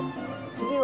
次は。